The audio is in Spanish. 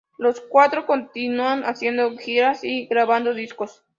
Los cuatro continúan haciendo giras y grabando discos.